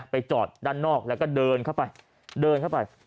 ไปจอดด้านนอกแล้วก็เดินเข้าไป